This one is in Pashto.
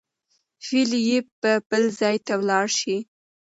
فېلېپ به بل ځای ته ولاړ شي.